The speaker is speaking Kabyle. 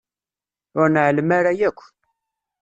Ur nεellem ara yakk.